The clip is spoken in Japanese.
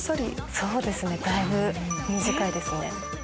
そうですねだいぶ短いですね。